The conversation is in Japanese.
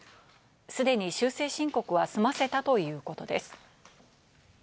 すでに修正申告は済ませたということです。